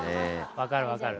分かる分かる。